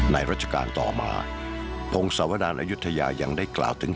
ในรัชการต่อมาลงสวดานอยุธยายังได้กล่าวถึง